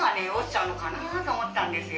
雷が落ちたのかなと思ったんですよ。